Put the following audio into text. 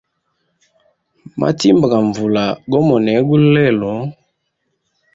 Matimba ga nvula go monea hegulu lelo.